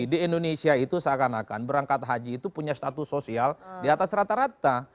di indonesia itu seakan akan berangkat haji itu punya status sosial di atas rata rata